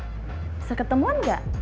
bisa ketemuan gak